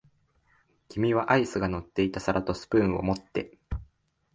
君はアイスが乗っていた皿とスプーンを持って、